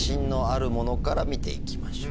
見ていきましょう。